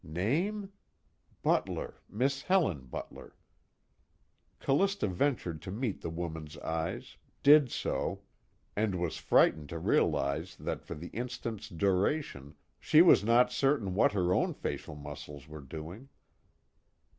Name? Butler, Miss Helen Butler. Callista ventured to meet the woman's eyes, did so, and was frightened to realize that for the instant's duration she was not certain what her own facial muscles were doing.